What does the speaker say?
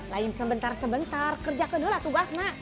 lain sebentar sebentar kerjakan dulu lah tugas nak